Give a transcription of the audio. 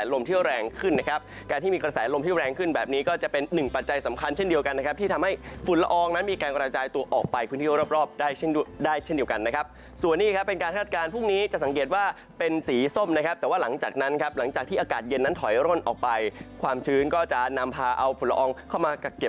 ลมที่แรงขึ้นแบบนี้ก็จะเป็นหนึ่งปัจจัยสำคัญเช่นเดียวกันนะครับที่ทำให้ฝุ่นละอองนั้นมีการกระจายตัวออกไปพื้นที่รอบได้เช่นได้เช่นเดียวกันนะครับส่วนนี้ครับเป็นการคาดการณ์พรุ่งนี้จะสังเกตว่าเป็นสีส้มนะครับแต่ว่าหลังจากนั้นครับหลังจากที่อากาศเย็นนั้นถอยร่นออกไปความชื้นก็